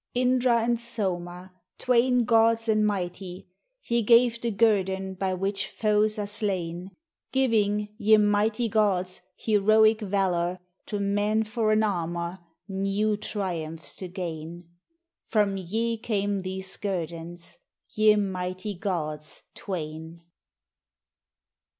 Indra and Soma, Twain gods and mighty, Ye gave the Guerdon by which foes are slain; Gi\'ing, ye mighty gods, heroic Valor To men for an Armor, new triumphs to gain ;— From ve came these Guerdons, ve mightv gods Twain.